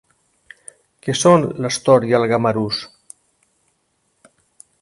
Què són l'astor i el gamarús?